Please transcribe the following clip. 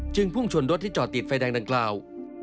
พุ่งชนรถที่จอดติดไฟแดงดังกล่าว